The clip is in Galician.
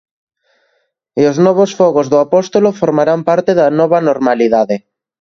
E os novos Fogos do Apóstolo formarán parte da nova normalidade.